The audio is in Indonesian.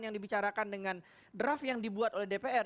yang dibicarakan dengan draft yang dibuat oleh dpr